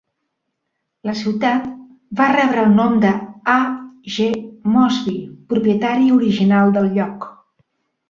La ciutat va rebre el nom d'A. G. Mosby, propietari original del lloc.